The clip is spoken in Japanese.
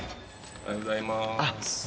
おはようございます。